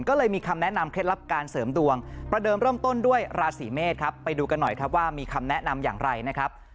ก็เลยมีคำแนะนำเคล็ดลับการเสริมดวงประเดิมเริ่มต้นด้วยราศีเมษครับไปดูกันหน่อยครับว่ามีคำแนะนำอย่างไรนะครับ